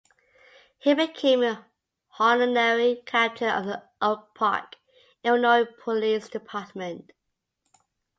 He became an honorary captain of the Oak Park, Illinois police department.